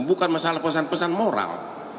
bukan masalah pesan pesan moral